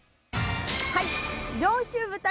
はい。